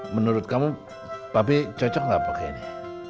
menurut kamu papi cocok gak pakai ini